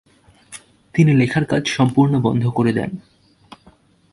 তিনি লেখার কাজ সম্পূর্ণ বন্ধ করে দেন।